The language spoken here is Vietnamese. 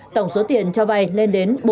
tổng số tiền cho vai lên đến